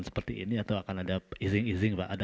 seperti ini atau akan ada izin izin pak